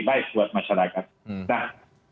baik buat masyarakat nah